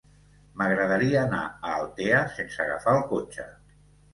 M'agradaria anar a Altea sense agafar el cotxe.